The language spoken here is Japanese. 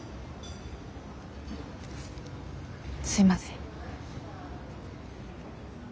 すいません。